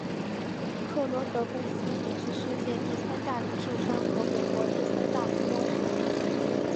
克罗格公司也是世界第三大零售商和美国第三大雇佣主。